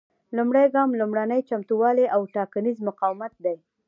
لومړی ګام لومړني چمتووالي او ټاکنیز مقاومت دی.